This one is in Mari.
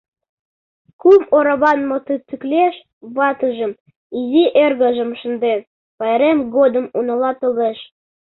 Кум ораван мотоциклеш ватыжым, изи эргыжым шынден, пайрем годым унала толеш.